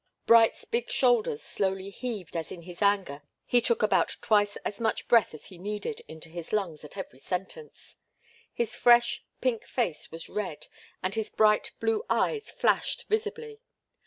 Bright's big shoulders slowly heaved as in his anger he took about twice as much breath as he needed into his lungs at every sentence. His fresh, pink face was red, and his bright blue eyes flashed visibly.